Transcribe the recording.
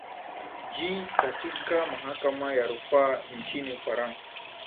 ji katika mahakama ya rufaa nchini ufarasa